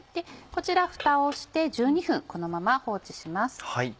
こちらフタをして１２分このまま放置します。